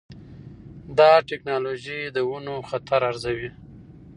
دا ټکنالوجي د ونو خطر ارزوي.